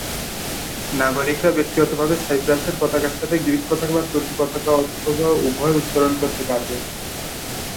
নাগরিকরা ব্যক্তিগতভাবে সাইপ্রাসের পতাকার সাথে গ্রিক পতাকা বা তুর্কি পতাকা অথবা উভয়ই উত্তোলন করতে পারবে।